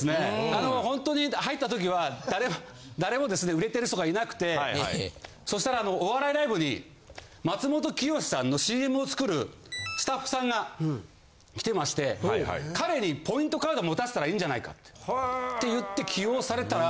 あのホントに入ったときは誰も誰もですね売れてる人がいなくてそしたらお笑いライブにマツモトキヨシさんのＣＭを作るスタッフさんが来てまして彼にポイントカード持たせたらいいんじゃないかって言って起用されたら。